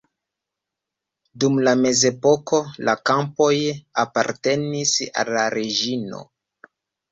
Dum la mezepoko la kampoj apartenis al la reĝino.